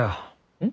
うん？